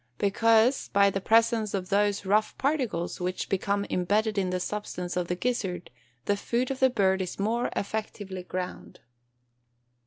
_ Because, by the presence of those rough particles, which become embedded in the substance of the gizzard, the food of the bird is more effectively ground.